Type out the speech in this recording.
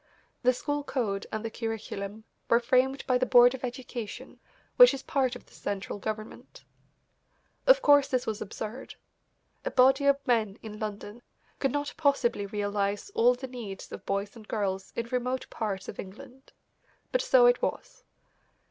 The school code and the curriculum were framed by the Board of Education, which is part of the central government. Of course this was absurd. A body of men in London could not possibly realise all the needs of boys and girls in remote parts of England. But so it was.